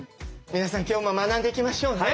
皆さん今日も学んでいきましょうね。